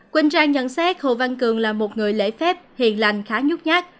quỳnh trang nhận xét hồ văn cường là một người lễ phép hiền lành khá nhút nhát